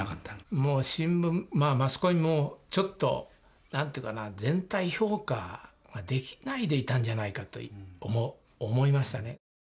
もう新聞マスコミもちょっとなんていうかな全体評価ができないでいたんじゃないかと思いましたね。